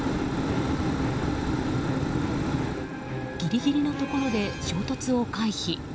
ギリギリのところで衝突を回避。